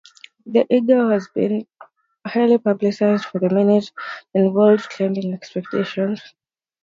The Eiger has been highly publicized for the many tragedies involving climbing expeditions.